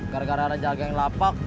gara gara ada jaga yang lapak